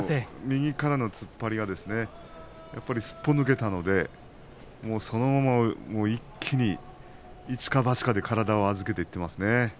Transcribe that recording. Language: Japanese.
右からの突っ張りがすっぽ抜けたので、そのまま一気に一か八かで体を預けていっていますね。